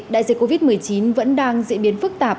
đại dịch covid một mươi chín vẫn đang diễn biến phức tạp